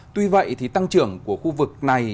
tuy vậy thì tăng trưởng của khu vực này